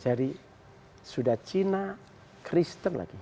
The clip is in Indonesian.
jadi sudah cina kristen lagi